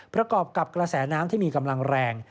ประกอบกับกระแสน้ำที่มีกำลังแรง